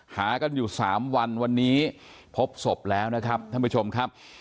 หากันอยู่๓วันวันนี้พบศพแล้วนะครับท่านผู้ชมครับ